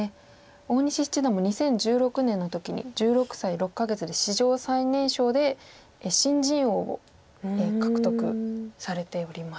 大西七段も２０１６年の時に１６歳６か月で史上最年少で新人王を獲得されております。